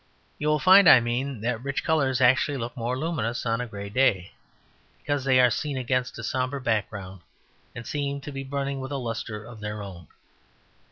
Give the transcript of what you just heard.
You will find, I mean, that rich colours actually look more luminous on a grey day, because they are seen against a sombre background and seem to be burning with a lustre of their own.